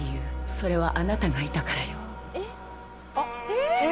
それは、あなたがいたからよ。